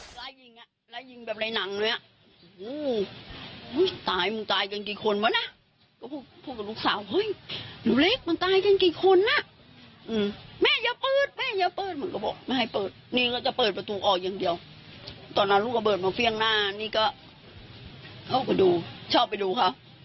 ตอนนั้นลูกอเบิร์ตมาเฟี่ยงหน้านี่ก็เขาก็ดูชอบไปดูครับ